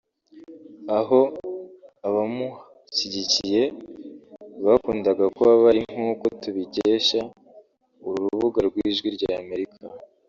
aho abamushyigikiye bakundaga kuba bari nk’uko tubikesha urubuga rw’Ijwi ry’Amerika